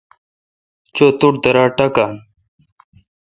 چو۔ تو ٹھ۔ درا تہ ٹاکون۔